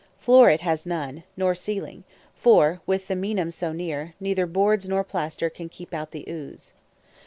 Floor it has none, nor ceiling, for, with the Meinam so near, neither boards nor plaster can keep out the ooze.